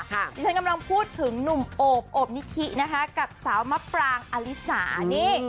ที่ฉันกำลังพูดถึงหนุ่มโอบโอบนิธินะคะกับสาวมะปรางอลิสานี่